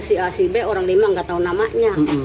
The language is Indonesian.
si a si b orang lima nggak tahu namanya